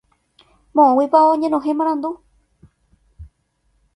Moõguipa oñenohẽ marandu.